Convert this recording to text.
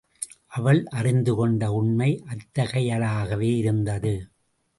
அவள் அறிந்துகொண்ட உண்மை அத்தகையதாகவே இருந்தது.